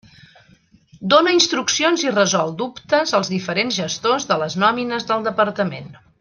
Dóna instruccions i resol dubtes als diferents gestors de les nòmines del Departament.